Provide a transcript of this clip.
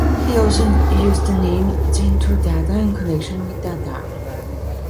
He also used the name Zentrodada in connection with Dada.